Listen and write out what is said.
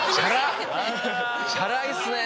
チャラいっすね。